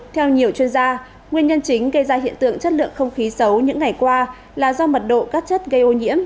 theo nhiều chuyên gia nguyên nhân chính gây ra hiện tượng chất lượng không khí xấu những ngày qua là do mật độ các chất gây ô nhiễm